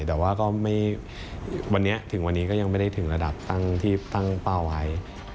แต่ว่าที่วันนี้จนยังไม่ได้จุดระดับตั้งไป